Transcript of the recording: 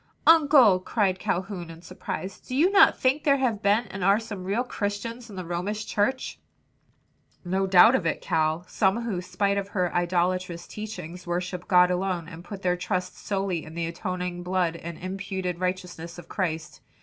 "Uncle!" cried Calhoun in surprise, "do you not think there have been and are some real Christians in the Romish Church?" "No doubt of it, Cal; some who, spite of her idolatrous teachings, worship God alone and put their trust solely in the atoning blood and imputed righteousness of Christ.